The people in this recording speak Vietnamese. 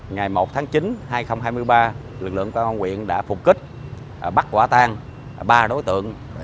ngày một tháng chín hai nghìn hai mươi ba lực lượng công an quyện đã phục kích bắt quả tang ba đối tượng